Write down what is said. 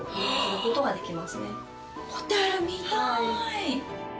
ホタル見たい。